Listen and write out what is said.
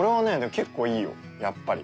結構いいよやっぱり。